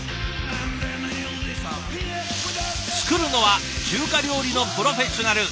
作るのは中華料理のプロフェッショナル。